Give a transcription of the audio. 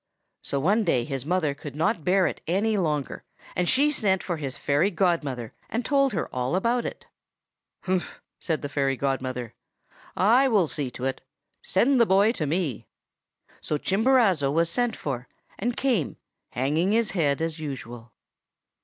"So one day his mother could not bear it any longer, and she sent for his fairy godmother, and told her all about it. "'Humph!' said the fairy godmother. 'I will see to it. Send the boy to me!' "So Chimborazo was sent for, and came, hanging his head as usual.